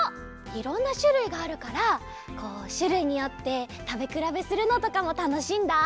いろんなしゅるいがあるからこうしゅるいによってたべくらべするのとかもたのしいんだ。